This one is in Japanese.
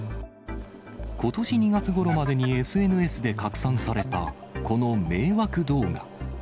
ことし２月ごろまでにＳＮＳで拡散されたこの迷惑動画。